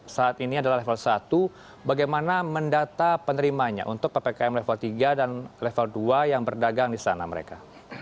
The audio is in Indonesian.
saat ini adalah level satu bagaimana mendata penerimanya untuk ppkm level tiga dan level dua yang berdagang di sana mereka